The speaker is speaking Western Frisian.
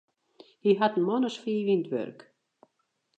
Hy hat in man as fiif yn it wurk.